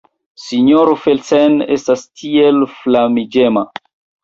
Sinjoro Felsen estas tiel flamiĝema.